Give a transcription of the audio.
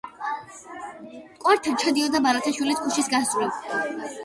მტკვართან ჩადიოდა ბარათაშვილის ქუჩის გასწვრივ.